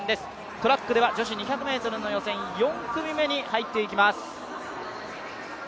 トラックでは女子２００ｍの予選４組目に入っていきます。